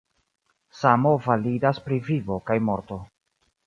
Samo validas pri vivo kaj morto.